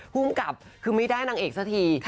ภูมิกับคือไม่ได้นางเอกสักที